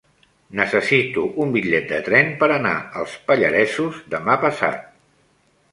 Necessito un bitllet de tren per anar als Pallaresos demà passat.